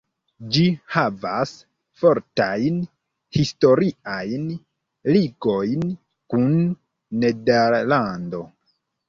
Ĝi havas fortajn historiajn ligojn kun Nederlando.